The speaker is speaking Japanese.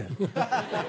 ハハハ！